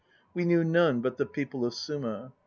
We knew none but the people of Suma.